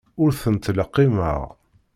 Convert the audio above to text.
Ur tent-ttleqqimeɣ.